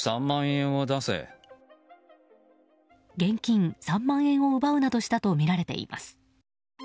現金３万円を奪うなどしたとみられています。